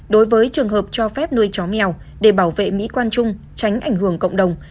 đối với trường hợp cho phép nuôi chó mèo để bảo vệ mỹ quan chung tránh ảnh hưởng cộng đồng